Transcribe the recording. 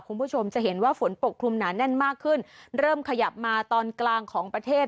คุณผู้ชมจะเห็นว่าฝนปกคลุมหนาแน่นมากขึ้นเริ่มขยับมาตอนกลางของประเทศ